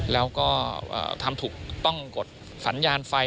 แล้วก็ทำถูกต้องกดสัญญาณไฟ